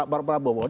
di dalam debat